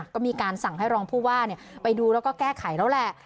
ก็มีการสั่งให้รองผู้ว่าไปดูแล้วก็แก้ไขแล้วแหละ